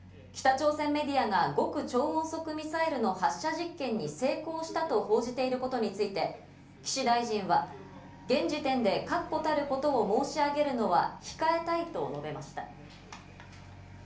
北朝鮮メディアが極超音速ミサイルの発射実験に成功したと報じていることについて、岸大臣は現時点で確固たることを申し上げるのは控えたいと述べました。